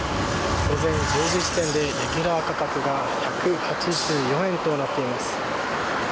午前１０時時点でレギュラー価格が１８４円となっています。